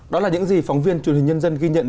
đó là những gì phóng viên truyền hình nhân dân ghi nhận